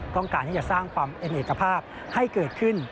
ต้องการที่จะสร้างความเอ็นเอกภาพให้เกิดขึ้น